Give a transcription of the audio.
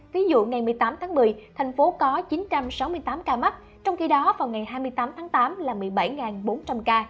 ví dụ ngày một mươi tám tháng một mươi thành phố có chín trăm sáu mươi tám ca mắc trong khi đó vào ngày hai mươi tám tháng tám là một mươi bảy bốn trăm linh ca